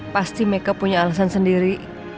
pasti mereka punya alasan sendiri